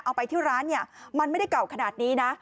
เอาไปที่ร้านเนี่ยมันไม่ได้เก่าขนาดนี้นะ